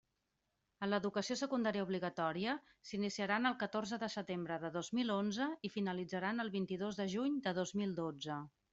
En Educació Secundària Obligatòria, s'iniciaran el catorze de setembre de dos mil onze i finalitzaran el vint-i-dos de juny de dos mil dotze.